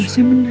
masih menang ya